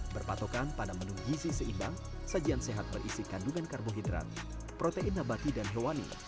berpatokan pada menu gizi seimbang sajian sehat berisi kandungan karbohidrat protein nabati dan hewani